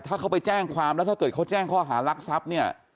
ถ้าเขาไปแจ้งความแล้วถ้าเกิดเขาแจ้งข้อหารักทรัพย์เนี่ย